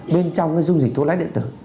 bên trong dung dịch thuốc lái điện tử